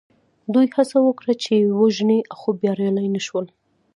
دوی هڅه وکړه چې ویې وژني خو بریالي نه شول.